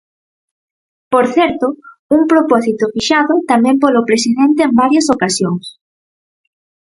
Por certo, un propósito fixado tamén polo presidente en varias ocasións.